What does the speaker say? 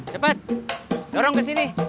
cepet dorong ke sini